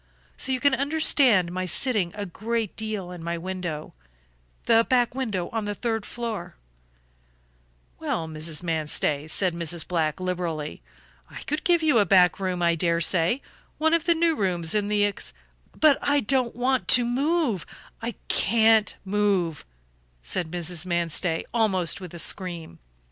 So you can understand my sitting a great deal in my window the back window on the third floor " "Well, Mrs. Manstey," said Mrs. Black, liberally, "I could give you a back room, I dare say; one of the new rooms in the ex " "But I don't want to move; I can't move," said Mrs. Manstey, almost with a scream.